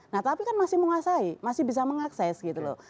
nah tapi kan masih menguasai masih bisa mengakses gitu loh